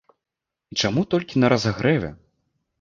І чаму толькі на разагрэве?